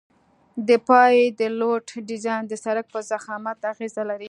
د پایې د لوډ ډیزاین د سرک په ضخامت اغیزه لري